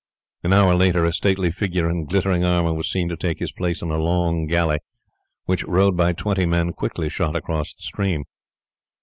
An hour later a stately figure in glittering armour was seen to take his place in a long galley, which, rowed by twenty men, quickly shot across the stream.